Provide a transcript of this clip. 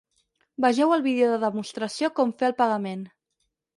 Vegeu el vídeo de demostració Com fer el pagament.